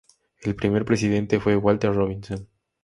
El primer presidente fue Walter Robinson.